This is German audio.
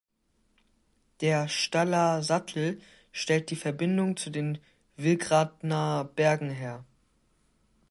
Der "Staller Sattel" stellt die Verbindung zu den Villgratner Bergen her.